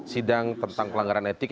sidang tentang pelanggaran etik